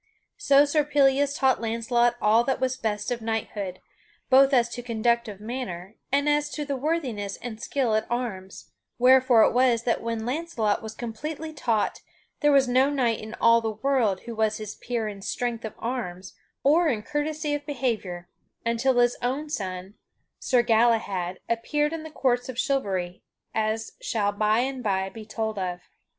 So Sir Pellias taught Launcelot all that was best of knighthood, both as to conduct of manner, and as to the worthiness and skill at arms, wherefore it was that when Launcelot was completely taught, there was no knight in all the world who was his peer in strength of arms or in courtesy of behavior, until his own son, Sir Galahad, appeared in the courts of chivalry as shall by and by be told of.